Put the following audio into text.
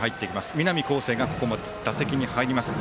南恒誠が、ここも打席に入ります。